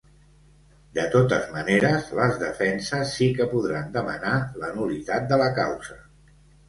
De totes maneres, les defenses sí que podran demanar la nul·litat de la causa.